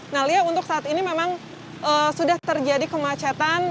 nah lia untuk saat ini memang sudah terjadi kemacetan